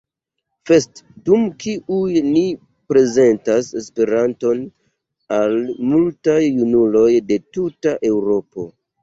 Fest, dum kiuj ni prezentas Esperanton al multaj junuloj de tuta Eŭropo.